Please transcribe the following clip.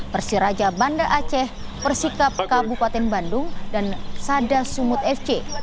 persiraja banda aceh persikap kabupaten bandung dan sada sumut fc